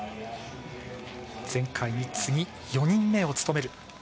前回に次ぎ４人目を務める。